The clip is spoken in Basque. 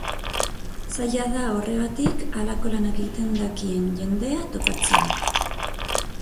Zaila da horregatik, halako lanak egiten dakien jendea topatzea.